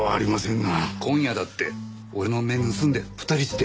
今夜だって俺の目盗んで２人して。